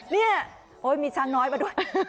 นี่โอ๊ยมีช้างน้อยมาด้วย